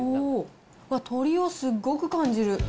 鶏をすごく感じる。